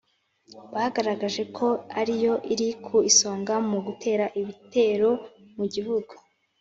bagaragaje ko ariyo iri ku isonga mu gutera ibitero mugihugu